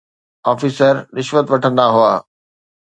Officer رشوت وٺندا هئا.